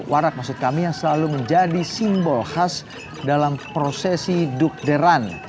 warak maksud kami yang selalu menjadi simbol khas dalam prosesi dukderan